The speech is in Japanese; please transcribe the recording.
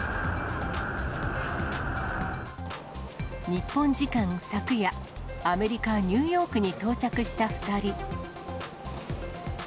日本時間昨夜、アメリカ・ニューヨークに到着した２人。